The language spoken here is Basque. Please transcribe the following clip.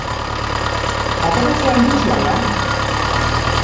Bateratzea iritsi al da?